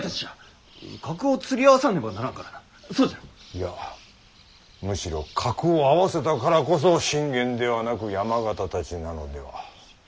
いやむしろ格を合わせたからこそ信玄ではなく山県たちなのでは。